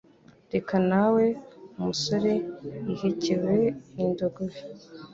Reka nawe umusore yihekewe n'indogobe